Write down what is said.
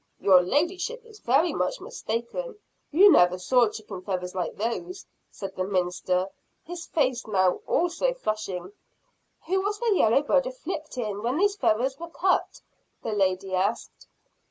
"Your ladyship is very much mistaken, you never saw chicken feathers like those," said the minister, his face now also flushing. "Who was the yellow bird afflicting, when these feathers were cut?" the lady asked.